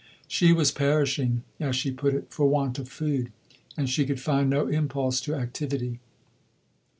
She was perishing, as she put it, for want of food; and she could find no impulse to activity.